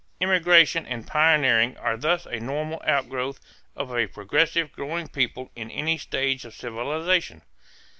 Emigration and pioneering are thus a normal outgrowth of a progressive growing people in any stage of civilization.